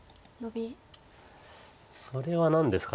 それは何ですか。